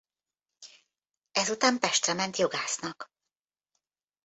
Ezután Pestre ment jogásznak.